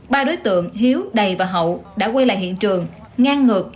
ba đối tượng hiếu đầy và hậu đã quay lại hiện trường ngang ngược